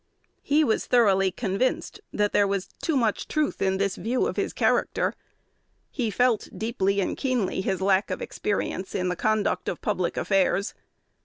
He was thoroughly convinced that there was too much truth in this view of his character. He felt deeply and keenly his lack of experience in the conduct of public affairs.